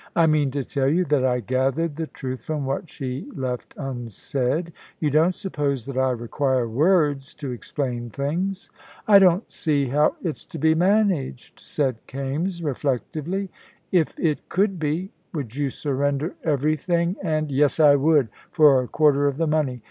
"I mean to tell you that I gathered the truth from what she left unsaid. You don't suppose that I require words to explain things." "I don't see how it's to be managed," said Kaimes, reflectively. "If it could be, would you surrender everything and ?" "Yes, I would, for a quarter of the money.